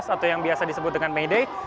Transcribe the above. atau yang biasa disebut dengan may day